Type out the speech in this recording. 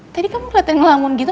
tadi kamu keliatan ngelamun gitu